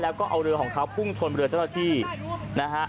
แล้วก็เอาเรือของเขาพุ่งชนเรือเจ้าหน้าที่นะฮะ